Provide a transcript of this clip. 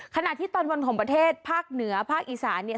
ขณะที่ตอนบนของประเทศภาคเหนือภาคอีสานเนี่ย